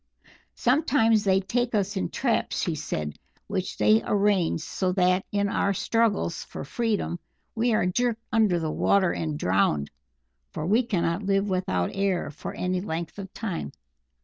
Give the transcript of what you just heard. "Sometimes they take us in traps," she said, "which they arrange so that in our struggles for freedom we are jerked into the water and drowned, for we cannot live without air for any length of time.